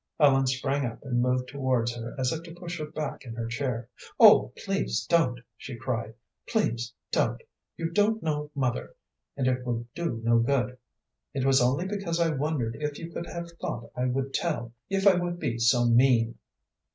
Ellen sprang up and moved towards her as if to push her back in her chair. "Oh, please don't!" she cried. "Please don't. You don't know mother; and it would do no good. It was only because I wondered if you could have thought I would tell, if I would be so mean."